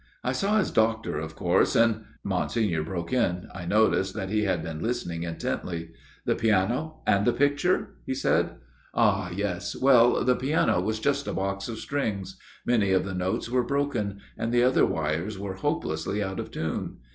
" I saw his doctor, of course, and " Monsignor broke in. I noticed that he had been listening intently. " The piano and the picture ?" he said. " Ah ! yes. Well, the piano was just a box of strings ; many of the notes were broken and the other wires were hopelessly out of tune.